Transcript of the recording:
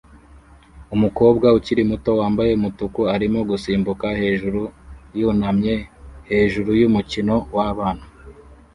Umukobwa ukiri muto wambaye umutuku arimo gusimbuka hejuru yunamye hejuru yumukino wabana